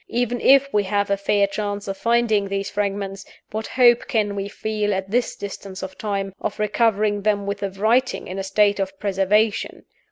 Even if we have a fair chance of finding these fragments, what hope can we feel, at this distance of time, of recovering them with the writing in a state of preservation?